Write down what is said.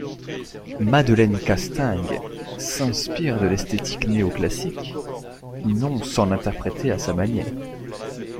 Madeleine Castaing s'inspire de l'esthétique néoclassique non sans l'interpréter à sa manière.